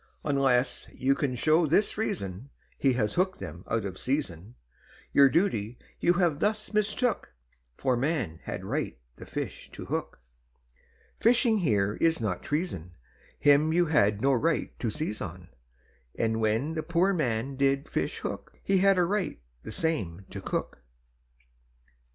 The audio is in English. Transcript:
Unless you can show this reason, He has hooked them out of season, Your duty you have thus mistook, For man had right the fish to hook. Fishing here it is not treason, Him you had no right to seize on, And when the poor man did fish hook, He had a right the same to cook.